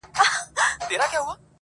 • بې گناه مي په ناحقه تور نيولي -